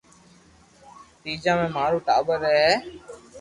تيجا مي مارو ٽاٻر رھي ھي